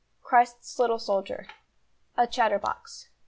Christ's little soldier. A chatterbox.